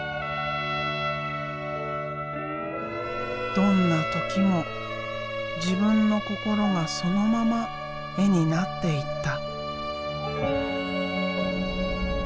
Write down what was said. どんな時も自分の心がそのまま絵になっていった。